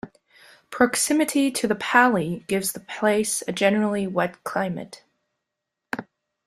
Proximity to the "pali" gives the place a generally wet climate.